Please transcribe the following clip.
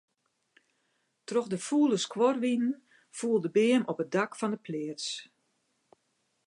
Troch de fûle skuorwinen foel de beam op it dak fan 'e pleats.